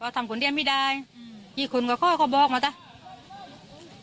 ว่าสำกลิ่นไม่ได้อีคุณก็ค่อยก็บอกมาแต่